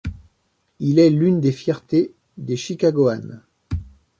Il est l'une des fiertés des Chicagoans.